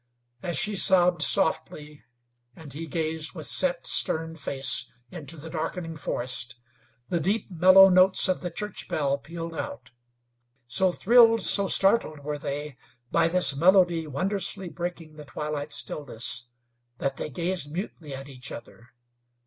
As she sobbed softly, and he gazed with set, stern face into the darkening forest, the deep, mellow notes of the church bell pealed out. So thrilled, so startled were they by this melody wondrously breaking the twilight stillness, that they gazed mutely at each other.